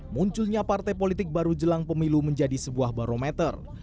munculnya partai politik baru jelang pemilu menjadi sebuah barometer